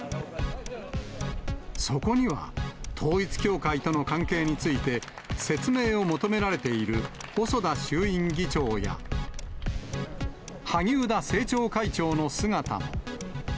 そこには、統一教会との関係について、説明を求められている細田衆院議長や、萩生田政調会長の姿も。